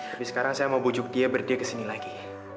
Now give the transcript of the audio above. tapi sekarang saya mau bujuk dia berdia kesini lagi